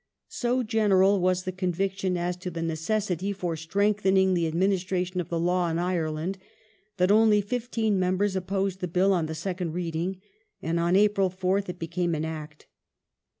So general was the conviction as to the necessity for strengthen ing the administration of the law in Ireland that only fifteen mem bers opposed the Bill on the second Reading, and on April 4th it became an Act.